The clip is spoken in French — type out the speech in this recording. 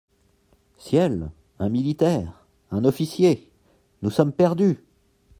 Ciel ! un militaire ! un officier ! nous sommes perdus !